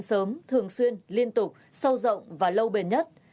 sớm thường xuyên liên tục sâu rộng và lâu bền nhất